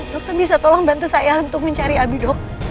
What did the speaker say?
dokter bisa tolong bantu saya untuk mencari abi dok